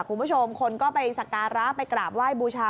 คุณผู้ชมคนก็ไปสการะไปกราบไหว้บูชา